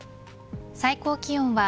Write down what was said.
最高気温は